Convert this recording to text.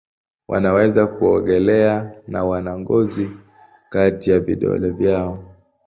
Wanaweza kuogelea na wana ngozi kati ya vidole vyao.